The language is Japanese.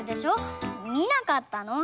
みなかったの？